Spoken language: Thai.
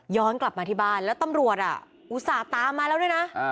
กลับมาที่บ้านแล้วตำรวจอุตส่าห์ตามมาแล้วด้วยนะ